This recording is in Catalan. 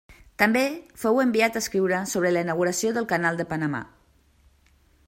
També fou enviat a escriure sobre la inauguració del Canal de Panamà.